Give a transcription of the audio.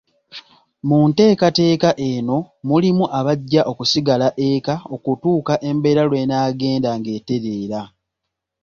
Mu nteekateka eno mulimu abajja okusigala eka okutuuka embeera lw'enaagenda ng'etereera.